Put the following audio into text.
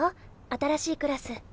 新しいクラス。